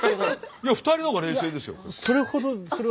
いや２人の方が冷静ですよ。